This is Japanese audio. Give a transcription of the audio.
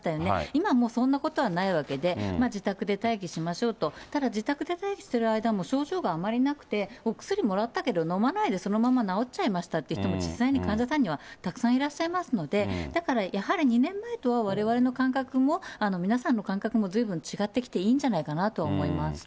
今はもうそんなことはないわけで、自宅で待機しましょうと、ただ自宅で待機している間も、症状があまりなくて、お薬もらったけど、飲まないでそのまま治っちゃいましたという方も、実際に患者さんにはたくさんいらっしゃいますので、だからやはり２年前とはわれわれの感覚も、皆さんの感覚もずいぶん違ってきていいんじゃないかなと思います。